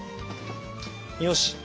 よし！